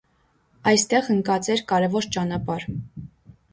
Այստեղ ընկած էր կարևոր ճանապարհ։